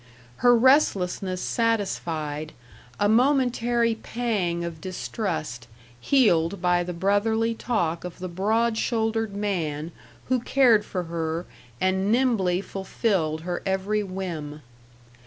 Her restlessness satisfied, a momentary pang of distrust healed by the brotherly talk of the broad shouldered man who cared for her and nimbly fulfilled her every whim.